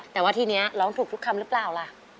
แต่ว่าทีนี้ร้องถูกทุกคำหรือเปล่าล่ะ